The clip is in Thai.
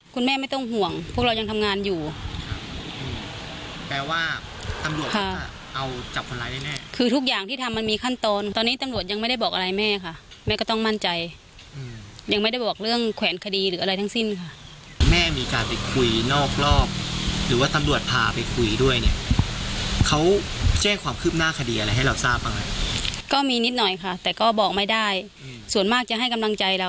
คุณแม่ไม่ต้องห่วงพวกเรายังทำงานอยู่แปลว่าตำรวจถ้าเอาจับคนร้ายแน่คือทุกอย่างที่ทำมันมีขั้นตอนตอนนี้ตำรวจยังไม่ได้บอกอะไรแม่ค่ะแม่ก็ต้องมั่นใจยังไม่ได้บอกเรื่องแขวนคดีหรืออะไรทั้งสิ้นค่ะแม่มีการไปคุยนอกรอบหรือว่าตำรวจพาไปคุยด้วยเนี่ยเขาแจ้งความคืบหน้าคดีอะไรให้เราทราบบ้างไหมก็มีนิดหน่อยค่ะแต่ก็บอกไม่ได้ส่วนมากจะให้กำลังใจเรา